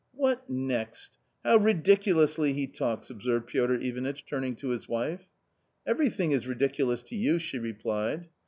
"What next ! how ridiculously he talks !" observed Piotr Ivanitch turning to his wife. " Everything is ridiculous to you !" she replied.